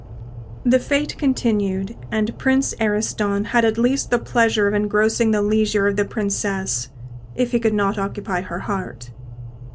The fête continued, and Prince Ariston had at least the pleasure of engrossing the leisure of the Princess, if he could not occupy her heart.